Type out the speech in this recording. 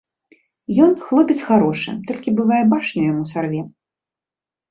Ён хлопец харошы, толькі бывае, башню яму сарве.